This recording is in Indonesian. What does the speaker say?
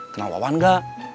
kenal wawan gak